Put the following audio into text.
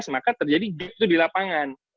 maka terjadi itu di lapangan